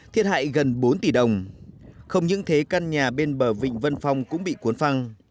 thiết hại gần bốn tỷ đồng không những thế căn nhà bên bờ vịnh vân phong cũng bị cuốn phăng